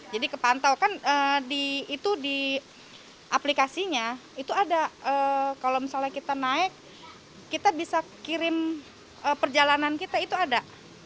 jadi kepantau kan itu di aplikasinya itu ada kalau misalnya kita naik kita bisa kirim perjalanan kita itu ada